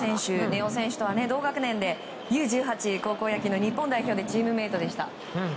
根尾選手とは同学年で高校野球の日本代表でチームメートでした。